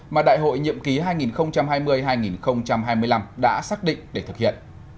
mà đại hội nhiệm ký hai nghìn hai mươi hai nghìn hai mươi năm đã xác định để thực hiện